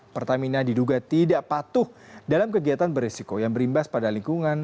pertamina diduga tidak patuh dalam kegiatan beresiko yang berimbas pada lingkungan